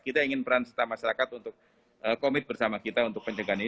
kita ingin peran serta masyarakat untuk komit bersama kita untuk pencegahan ini